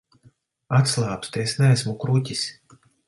Atslābsti, es neesmu kruķis.